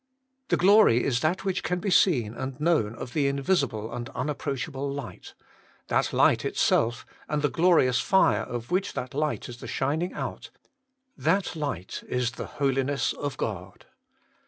The glory is that which can be seen and known of the invisible and unapproachable light: that light itself, and the glorious fire of which that light is the shining out, that light is the Holiness of God.